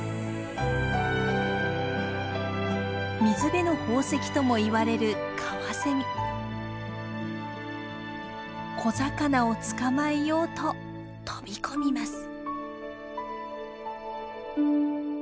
水辺の宝石ともいわれる小魚を捕まえようと飛び込みます。